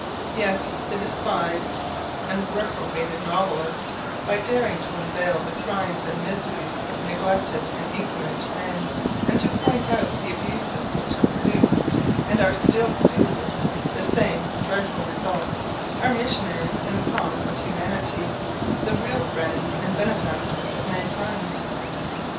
Yes, the despised and reprobated novelist, by daring to unveil the crimes and miseries of neglected and ignorant men, and to point out the abuses which have produced, and are still producing, the same dreadful results, are missionaries in the cause of humanity, the real friends and benefactors of mankind.